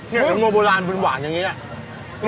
น้องโรยโมาสประหลาดวางอย่างนี้